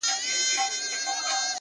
سم داسي ښكاري راته،